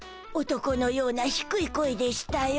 男のようなひくい声でしゅたよ。